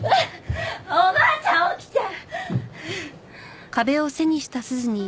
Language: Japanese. おばあちゃん起きちゃう！